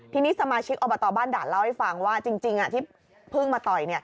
ทีนี้สมาชิกอบตบ้านด่านเล่าให้ฟังว่าจริงที่เพิ่งมาต่อย